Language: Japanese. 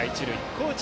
高知